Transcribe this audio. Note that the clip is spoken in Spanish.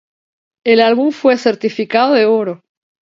El álbum fue certificado de oro.